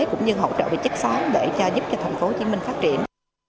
cũng như hỗ trợ về chất xóa để cho giúp cho thành phố hồ chí minh phát triển